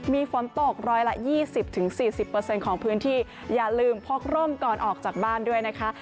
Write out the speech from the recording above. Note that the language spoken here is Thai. มีฝนตกร้อยละยี่สิบถึงสี่สิบเปอร์เซ็นต์ของพื้นที่อย่าลืมพกร่มก่อนออกจากบ้านด้วยนะคะ